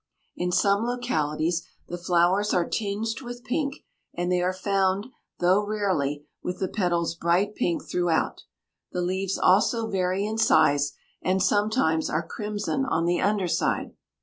In some localities the flowers are tinged with pink, and they are found, though rarely, with the petals bright pink throughout. The leaves also vary in size and sometimes are crimson on the under side.